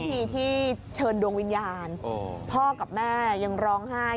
ทีที่เชิญดวงวิญญาณพ่อกับแม่ยังร้องไห้